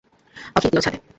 অখিল এল ছাদে।